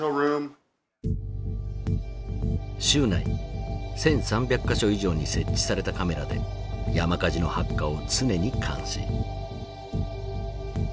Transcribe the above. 州内１，３００か所以上に設置されたカメラで山火事の発火を常に監視。